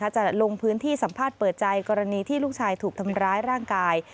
จะลงพื้นที่สัมภาษณ์เปิดใจกรณีที่ลูกชายถูกทำร้ายร่างกาย